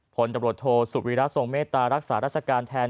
ผลตำรวจโทลสุวิราชต์ทรงเมตรระกษาราชการแทน